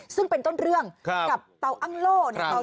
ซึ่งเป็นต้นเรื่องกับเตาอังโลประหยัดพลังงาน